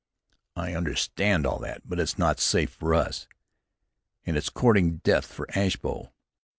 "I understand all that; but it's not safe for us, and it's courting death for Ashbow.